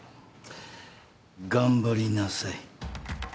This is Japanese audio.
頑張りなさい。